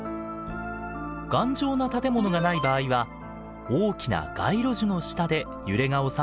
頑丈な建物がない場合は大きな街路樹の下で揺れが収まるのを待つのも手。